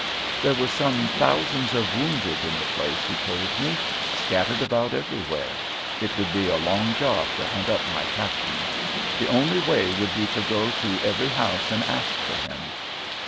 There were some thousands of wounded in the place, he told me, scattered about everywhere. It would be a long job to hunt up my Captain; the only way would be to go to every house and ask for him.